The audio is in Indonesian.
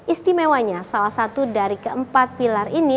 istimewanya salah satu dari keempat pilar ini